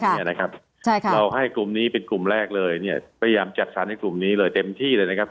เราให้กลุ่มนี้เป็นกลุ่มแรกเลยเนี่ยพยายามจัดสรรให้กลุ่มนี้เลยเต็มที่เลยนะครับ